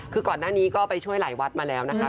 คือก่อนหน้านี้ก็ไปช่วยหลายวัดมาแล้วนะคะ